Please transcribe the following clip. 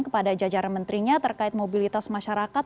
kepada jajaran menterinya terkait mobilitas masyarakat